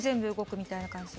みたいな感じで。